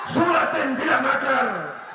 sulatin tidak makar